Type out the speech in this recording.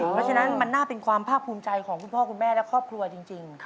เพราะฉะนั้นมันน่าเป็นความภาคภูมิใจของคุณพ่อคุณแม่และครอบครัวจริง